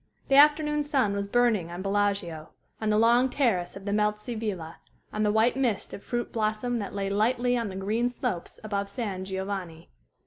The afternoon sun was burning on Bellaggio, on the long terrace of the Melzi villa, on the white mist of fruit blossom that lay lightly on the green slopes above San Giovanni.